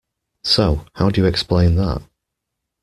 So, how do you explain that?